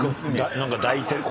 何か抱いて。